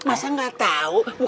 masa gak tau